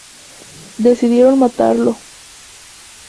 Decidieron matarlo.